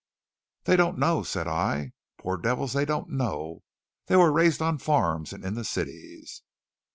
"They don't know," said I, "poor devils, they don't know. They were raised on farms and in the cities."